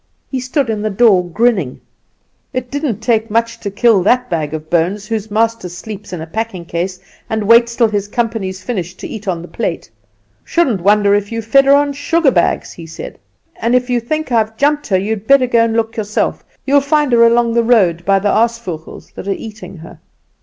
He stood in the door grinning. "'It didn't take much to kill that bag of bones, whose master sleeps in a packing case, and waits till his company's finished to eat on the plate. Shouldn't wonder if you fed her on sugar bags,' he said; 'and if you think I've jumped her, you'd better go and look yourself. You'll find her along the road by the aasvogels that are eating her.